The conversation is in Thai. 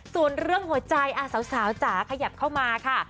ส่วนเรื่องหัวใจสาวจ๋าขยับเข้ามาค่ะ